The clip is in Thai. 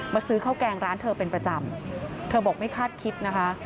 ซื้อข้าวแกงร้านเธอเป็นประจำเธอบอกไม่คาดคิดนะคะ